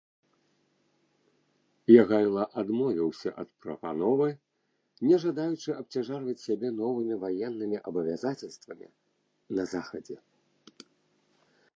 Ягайла адмовіўся ад прапановы, не жадаючы абцяжарваць сябе новымі ваеннымі абавязацельствамі на захадзе.